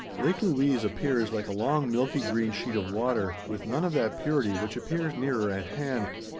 Lake Louise appears like a long milky green sheet of water, with none of that purity which appears nearer at hand.